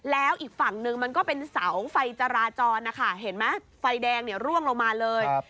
แล้วอีกฝั่งนึงมันก็เป็นเสาไฟจราจรนะคะเห็นไหมไฟแดงเนี่ยร่วงลงมาเลย